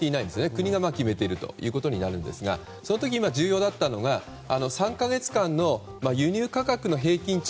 国が決めていることもあるんですがその時に重要だったのが３か月間の輸入価格の平均値